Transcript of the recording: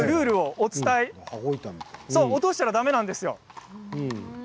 落としたらだめなんですよ。